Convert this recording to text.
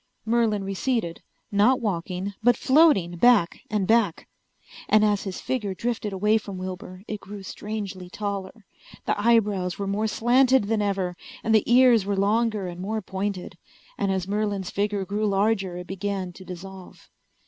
Merlin receded, not walking but floating back and back. And as his figure drifted away from Wilbur it grew strangely taller. The eyebrows were more slanted than ever and the ears were longer and more pointed. And as Merlin's figure grew larger it began to dissolve.